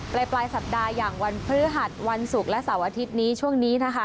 ปลายสัปดาห์อย่างวันพฤหัสวันศุกร์และเสาร์อาทิตย์นี้ช่วงนี้นะคะ